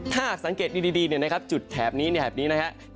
ถ้าสังเกตดีจุดแถบนี้แถบนี้นะครับ